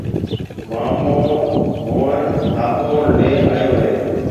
مومو موهن هابُڻ ليَ آئيو هيَ۔